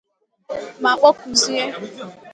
ma kpọkuzie